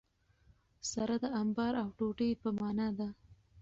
سره د انبار او ټوټي په مانا ده.